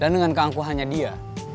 dan dengan keangkuhannya dia